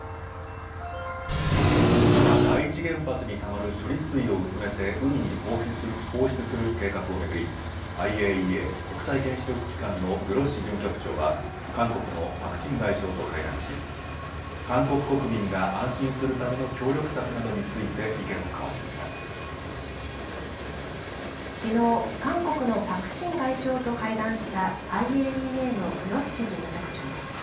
福島第一原発にたまる処理水を薄めて海に放出する計画を巡り、ＩＡＥＡ・国際原子力機関のグロッシ事務局長は、韓国のパク・チン外相と会談し、韓国国民が安心するための協力策などについて、意見を交わしましきのう、韓国のパク・チン外相と会談したＩＡＥＡのグロッシ事務局長。